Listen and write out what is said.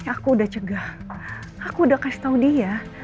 aku udah cegah aku udah kasih tau dia